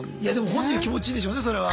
本人は気持ちいいでしょうねそれは。